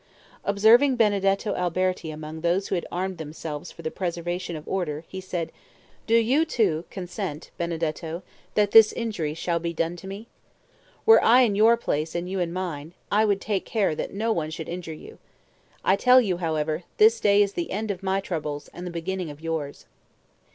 Observing Benedetto Alberti among those who had armed themselves for the preservation of order, he said, "Do you, too, consent, Benedetto, that this injury shall be done to me? Were I in your place and you in mine, I would take care that no one should injure you. I tell you, however, this day is the end of my troubles and the beginning of yours."